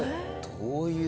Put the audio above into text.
どういう。